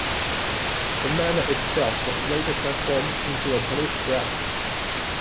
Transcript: The Manor itself was later transformed into a police barracks.